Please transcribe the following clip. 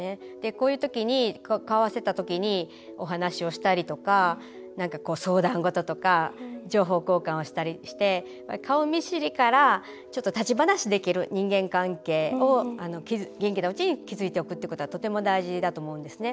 こういう時に、顔を合わせた時にお話をしたりとか相談事とか情報交換をしたりして顔見知りからちょっと立ち話できる人間関係を元気なうちに築いておくっていうことはとても大事だと思うんですね。